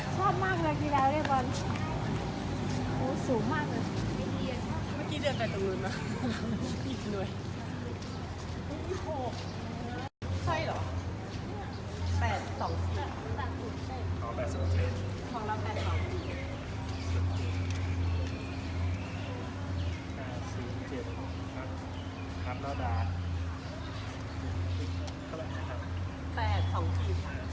ชอบมากแล้วกีฬาด้วยมัน